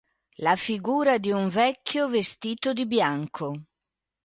La figura di un vecchio vestito di bianco.